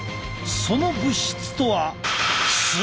その物質とは。